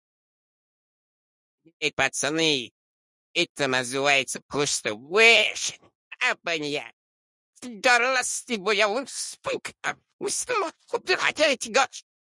Соединенные Штаты не остались в стороне от происходящего.